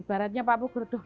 ibaratnya pak puger tuh